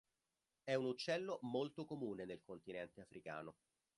È un uccello molto comune nel continente africano.